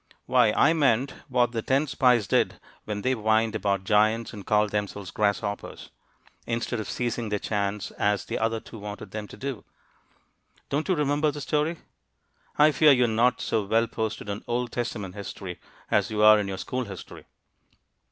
Why, I meant what the ten spies did when they whined about giants, and called themselves 'grasshoppers,' instead of seizing their chance, as the other two wanted them to do. Don't you remember the story? I fear you are not so well posted on Old Testament history as you are in your school history.